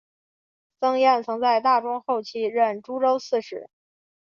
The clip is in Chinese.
崔彦曾在大中后期任诸州刺史。